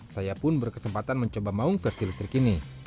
saya pun berkesempatan mencoba maung versi listrik ini